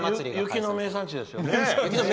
雪の名産地ですよね？